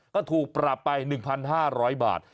ก็ถูกปรับไป๑๕๐๐บาท